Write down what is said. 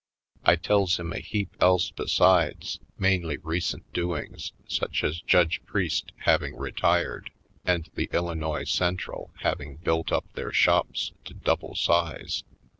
I tells him a heap else besides; mainly re cent doings, such as Judge Priest having retired, and the Illinois Central having built up their shops to double size.